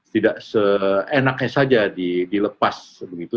tidak seenaknya saja dilepas begitu